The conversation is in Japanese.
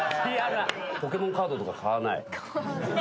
ポケモンカードとか買わない？